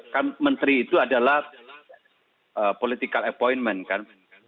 kan menteri itu adalah political appointment kan